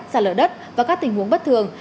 giả lở đất và các tình huống bất thường